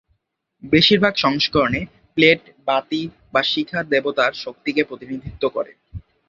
বেশিরভাগ সংস্করণে প্লেট, বাতি বা শিখা দেবতার শক্তিকে প্রতিনিধিত্ব করে।